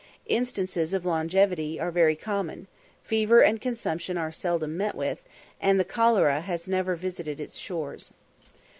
Instances of longevity are very common; fever and consumption are seldom met with, and the cholera has never visited its shores.